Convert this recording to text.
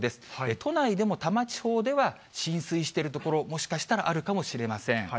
都内でも多摩地方では、浸水してる所、もしかしたらあるかもしれません。